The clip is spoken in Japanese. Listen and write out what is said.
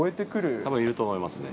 たぶんいると思いますね。